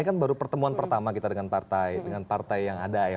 ini kan baru pertemuan pertama kita dengan partai dengan partai yang ada ya